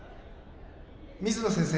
水野先生